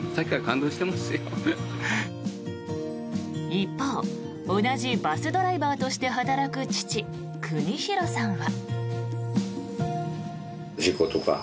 一方同じバスドライバーとして働く父・邦宏さんは。